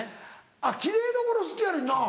あっ奇麗どころ好きやねんな。